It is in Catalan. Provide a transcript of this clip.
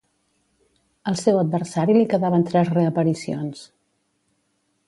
Al seu adversari li quedaven tres reaparicions.